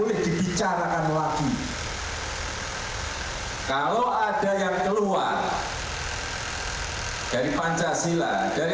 orang bicara masalah pki bangkit komunis bangkit itu apa lagi